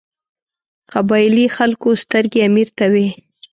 قبایلي خلکو سترګې امیر ته وې.